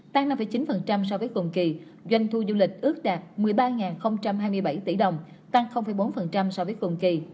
tăng năm chín so với cùng kỳ doanh thu du lịch ước đạt một mươi ba hai mươi bảy tỷ đồng tăng bốn so với cùng kỳ